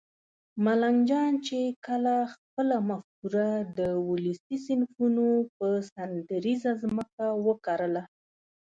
ملنګ جان چې کله خپله مفکوره د ولسي صنفونو پر سندریزه ځمکه وکرله